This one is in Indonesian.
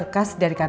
makasih ya pak remon